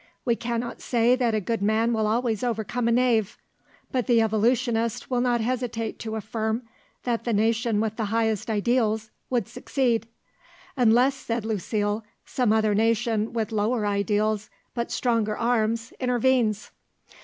We cannot say that a good man will always overcome a knave; but the evolutionist will not hesitate to affirm that the nation with the highest ideals would succeed." "Unless," said Lucile, "some other nation with lower ideals, but stronger arms, intervenes."